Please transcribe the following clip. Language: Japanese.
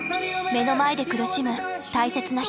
目の前で苦しむ大切な人。